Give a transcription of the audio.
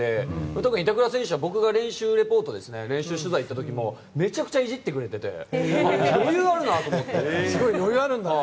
特に板倉選手は、僕が練習リポートや練習取材に行った時もめちゃくちゃいじってくれてて余裕があるなと思って。